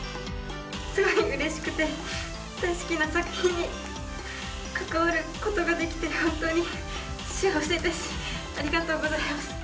すごいうれしくて大好きな作品に関わることができて本当に幸せですありがとうございます。